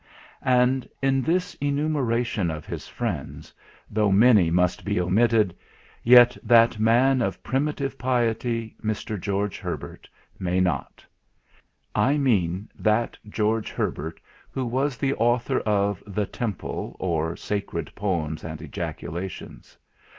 And in this enumeration of his friends, though many must be omitted, yet that man of primitive piety, Mr. George Herbert, may not; I mean that George Herbert, who was the author of "The Temple, or Sacred Poems and Ejaculations."